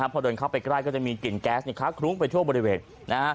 พอเดินเข้าไปใกล้ก็จะมีกลิ่นแก๊สค้าคลุ้งไปทั่วบริเวณ